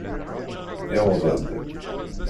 Yewweḍ-d.